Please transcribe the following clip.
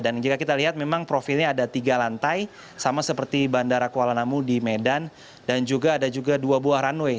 dan jika kita lihat memang profilnya ada tiga lantai sama seperti bandara kuala namu di medan dan juga ada dua buah runway